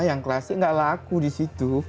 yang klasik gak laku disitu